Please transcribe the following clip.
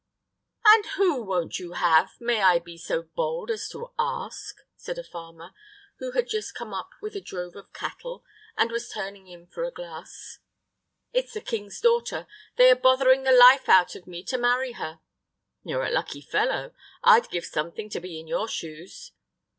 "And who won't you have, may I be so bold as to ask?" said a farmer, who had just come up with a drove of cattle, and was turning in for a glass. "It's the king's daughter. They are bothering the life out of me to marry her." "You're the lucky fellow. I'd give something to be in your shoes."